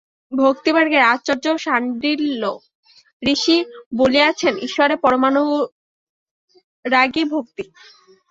ভক্তিমার্গের আচার্য শাণ্ডিল্য ঋষি বলিয়াছেন, ঈশ্বরে পরমানুরাগই ভক্তি।